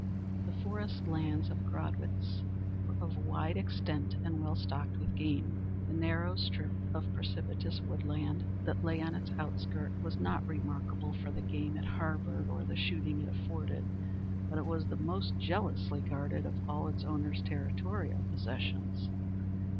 The forest lands of Gradwitz were of wide extent and well stocked with game; the narrow strip of precipitous woodland that lay on its outskirt was not remarkable for the game it harboured or the shooting it afforded, but it was the most jealously guarded of all its owner's territorial possessions.